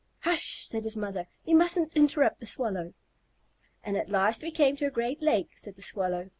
"Hush," said his mother, "you mustn't interrupt the Swallow." "And at last we came to a great lake," said the Swallow.